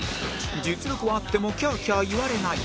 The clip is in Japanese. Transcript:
実力はあってもキャーキャー言われない